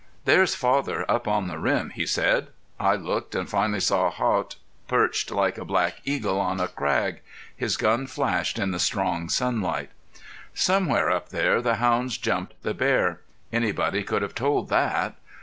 "There's father up on the rim," he said. I looked, and finally saw Haught perched like a black eagle on a crag. His gun flashed in the strong sunlight. Somewhere up there the hounds jumped the bear. Anybody could have told that.